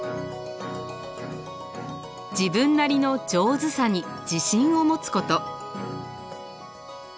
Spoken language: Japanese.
自分なりの上手さに自信を持つこと。